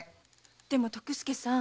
でも徳助さん